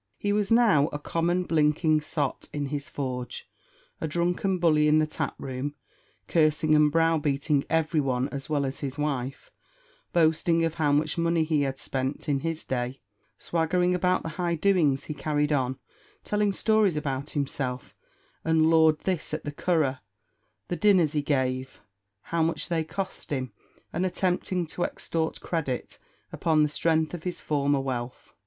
He was now a common blinking sot in his forge; a drunken bully in the tap room, cursing and brow beating every one as well as his wife; boasting of how much money he had spent in his day; swaggering about the high doings he carried on; telling stories about himself and Lord This at the Curragh; the dinners he gave how much they cost him, and attempting to extort credit upon the strength of his former wealth.